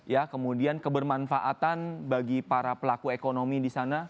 ya kemudian kebermanfaatan bagi para pelaku ekonomi di sana